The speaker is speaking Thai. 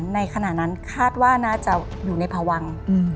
ในขณะนั้นคาดว่าน่าจะอยู่ในพวัง